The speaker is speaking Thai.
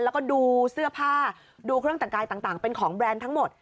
แล้วก็ดูเสื้อผ้าดูเครื่องแต่งกายต่างเป็นของแบรนด์ทั้งหมด